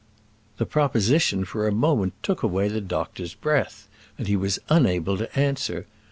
The proposition for a moment took away the doctor's breath, and he was unable to answer.